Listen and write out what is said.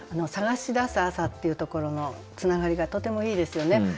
「探し出す朝」っていうところのつながりがとてもいいですよね。